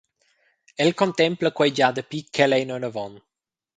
El contempla quei gia dapi ch’el ei neunavon.